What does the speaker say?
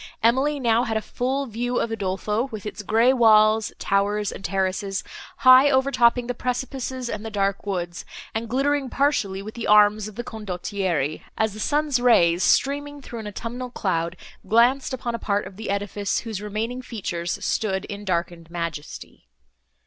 Emily now had a full view of Udolpho, with its grey walls, towers and terraces, high over topping the precipices and the dark woods, and glittering partially with the arms of the Condottieri, as the sun's rays, streaming through an autumnal cloud, glanced upon a part of the edifice, whose remaining features stood in darkened majesty.